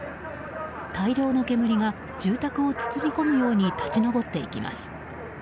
大量の煙が住宅を包み込むように立ち上っていきます。